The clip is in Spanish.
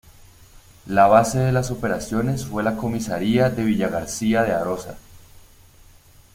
La base de las operaciones fue la comisaría de Villagarcía de Arosa.